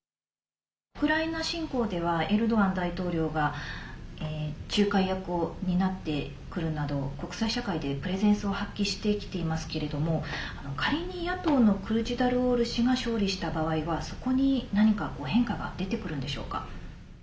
ウクライナ侵攻ではエルドアン大統領が仲介役を担ってくるなど国際社会で、プレゼンスを発揮してきていますけれども仮に野党のクルチダルオール氏が勝利した場合はそこに何か変化が出てくるんでしょうか？